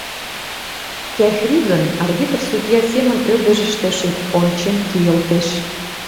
Кӓхри гын арбитр-судья семын ӧрдыжыштӧ ончен кийылтеш.